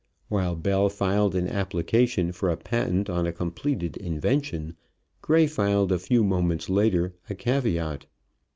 While Bell filed an application for a patent on a completed, invention, Gray filed, a few moments later, a caveat.